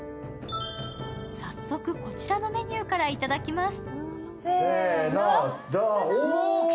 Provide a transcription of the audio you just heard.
早速、こちらのメニューから頂きます。